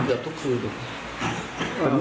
เกือบทุกคืน